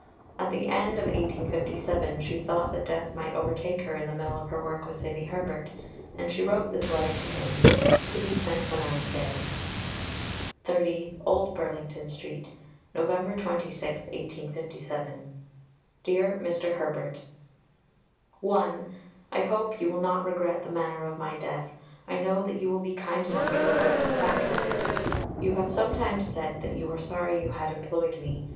At the end of 1857 she thought that death might overtake her in the middle of her work with Sidney Herbert, and she wrote this letter to him "to be sent when I am dead": 30 OLD BURLINGTON STREET, November 26, 1857. DEAR MR. Herbert (1) I hope you will not regret the manner of my death. I know that you will be kind enough to regret the fact of it. You have sometimes said that you were sorry you had employed me.